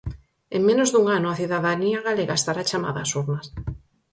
En menos dun ano, a cidadanía galega estará chamada ás urnas.